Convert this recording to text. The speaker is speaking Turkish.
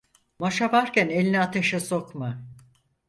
Maşa varken elini ateşe sokma.